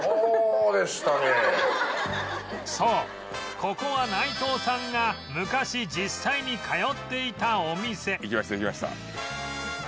そうここは内藤さんが昔実際に通っていたお店行きました行きました。